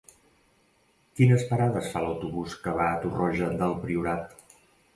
Quines parades fa l'autobús que va a Torroja del Priorat?